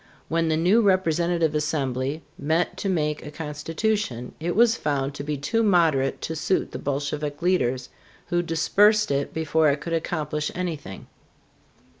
When the new representative assembly met to make a constitution, it was found to be too moderate to suit the Bolshevik leaders, who dispersed it before it could accomplish anything.